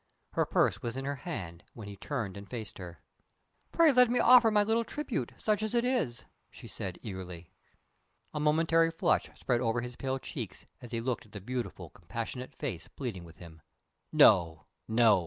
Her purse was in her hand, when he turned and faced her. "Pray let me offer my little tribute such as it is!" she said, eagerly. A momentary flush spread over his pale cheeks as he looked at the beautiful compassionate face pleading with him. "No! no!"